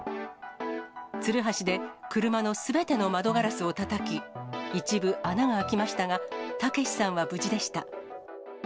つるはしで車のすべての窓ガラスをたたき、一部、穴が開きましたが、たけしさんは無事でした。